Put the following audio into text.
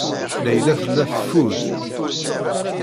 Layla tella teffud.